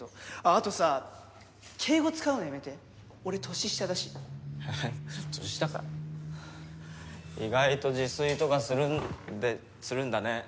あとさ敬語遣うのやめて俺年下だしえっ年下か意外と自炊とかするんでするんだね